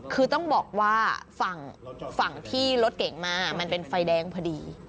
คือต้องบอกว่าฝั่งที่รถเก๋งมามันเป็นไฟแดงพอดี